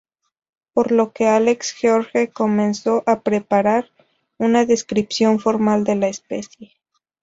Por lo que Alex George comenzó a preparar una descripción formal de la especie.